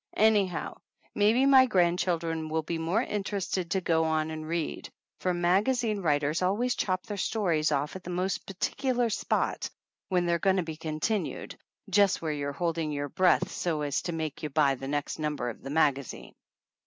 Anyhow maybe my grandchildren will be more interested to go on and read, for magazine writers always chop their stories off at the most particular spot, when they are going to be continued, just where you are holding your breath, so as to 189 THE ANNALS OF ANN make you buy the next number of the maga zine.